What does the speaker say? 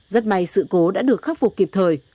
rất may sự cố đã được khắc phục kịp thời